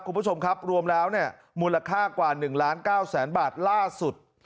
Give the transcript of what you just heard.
คุณผู้ชมครับรวมแล้วเนี่ยมูลค่ากว่า๑ล้าน๙แสนบาทล่าสุด